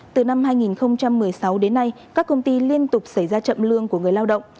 từ năm hai nghìn một mươi sáu đến nay các công ty liên tục xảy ra chậm lương của người lao động